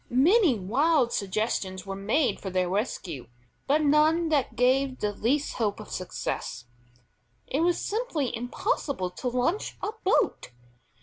Many wild suggestions were made for their rescue, but none that gave the least hope of success. It was simply impossible to launch a boat.